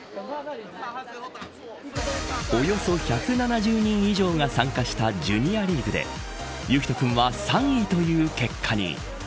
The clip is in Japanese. およそ１７０人以上が参加したジュニアリーグで雪兎君は３位という結果に。